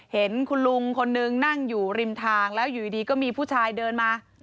เห็นคุณลุงคนนึงนั่งอยู่ริมทางแล้วอยู่ดีก็มีผู้ชายเดินมา